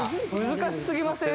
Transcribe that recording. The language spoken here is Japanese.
難しすぎません？